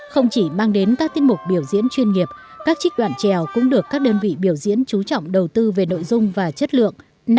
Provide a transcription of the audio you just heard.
không chỉ mang đến các tiết mục biểu diễn chuyên nghiệp các trích đoạn trèo cũng được các đơn vị biểu diễn trú trọng đầu tư về nội dung và chất lượng